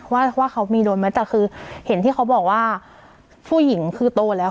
ว่าเขามีโดนไหมแต่คือเห็นที่เขาบอกว่าผู้หญิงคือโตแล้ว